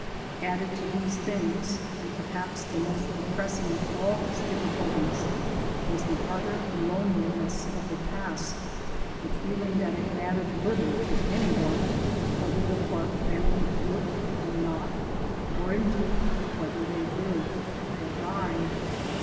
Added to these things, and perhaps the most depressing of all his difficulties, was the utter loneliness of the task, the feeling that it mattered little to any one whether the Clark family worked or not, or indeed whether they lived or died.